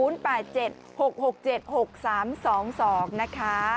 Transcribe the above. กับ๐๘๗๖๖๗๖๓๒๒นะคะ